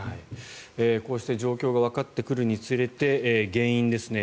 こうして状況がわかってくるにつれて原因ですね。